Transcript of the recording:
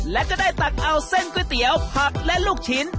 และก็ได้ตักเอาเส้นก๋วยเตี๋ยวผักและลูกชิ้น